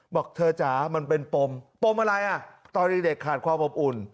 บอกเธอจ๋ามันเป็นปมปมอะไรอ่ะตอนเด็กขาดความอบอุ่น